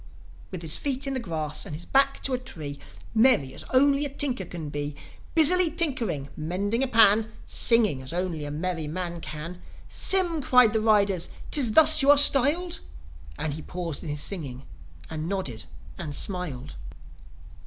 With his feet in the grass, and his back to a tree, Merry as only a tinker can be, Busily tinkering, mending a pan, Singing as only a merry man can ... "Sym!" cried the riders. " 'Tis thus you are styled?" And he paused in his singing, and nodded and smiled.